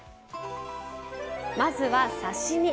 まずは刺身。